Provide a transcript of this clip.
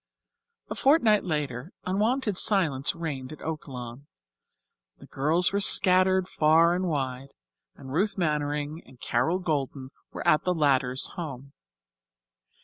A fortnight later unwonted silence reigned at Oaklawn. The girls were scattered far and wide, and Ruth Mannering and Carol Golden were at the latter's home.